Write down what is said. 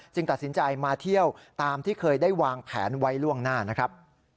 ตัดสินใจมาเที่ยวตามที่เคยได้วางแผนไว้ล่วงหน้านะครับ